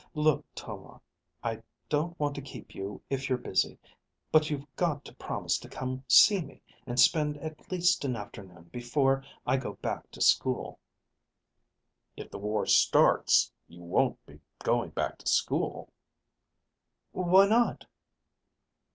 "Look, Tomar, I don't want to keep you if you're busy. But you've got to promise to come see me and spend at least an afternoon before I go back to school." "If the war starts, you won't be going back to school." "Why not?"